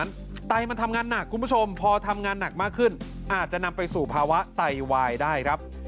ไตมันทำงานหนักคุณผู้ชมพอทำงานหนักมากขึ้นอาจจะนำไปสู่ภาวะไตวายได้ครับ